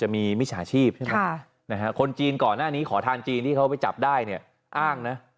ผมฝากตั้งคำถามนะ